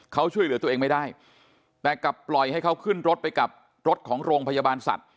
เขาช่วยเหลือตัวเองไม่ได้แต่กลับปล่อยให้เขาขึ้นรถไปกับรถของโรงพยาบาลสัตว์